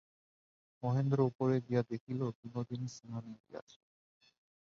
মহেন্দ্র উপরে গিয়া দেখিল, বিনোদিনী স্নানে গিয়াছে।